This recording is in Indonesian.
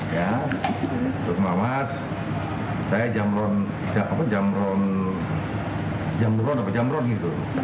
ya terus mas saya jamron apa jamron jamron apa jamron gitu